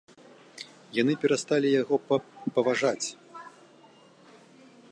Яны перасталі яго паважаць.